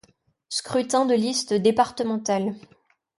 Scrutin de liste départemental.